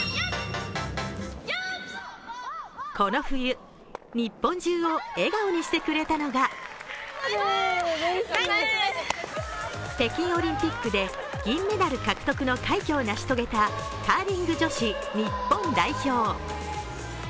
この冬、日本中を笑顔にしてくれたのが北京オリンピックで銀メダル獲得の快挙を成し遂げたカーリング女子日本代表。